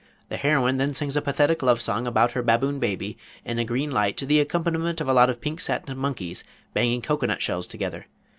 "The heroine then sings a pathetic love song about her Baboon Baby, in a green light to the accompaniment of a lot of pink satin monkeys banging cocoa nut shells together.